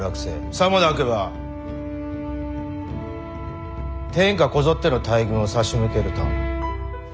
さもなくば天下こぞっての大軍を差し向けると。